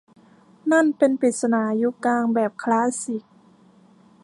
นั่นเป็นปริศนายุคกลางแบบคลาสสิก